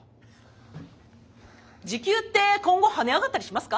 時給って今後はね上がったりしますか？